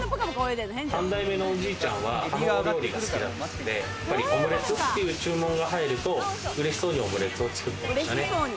３代目のおじいちゃんは卵料理が好きだったんで、オムレツという注文が入ると、嬉しそうにオムレツを作ってましたね。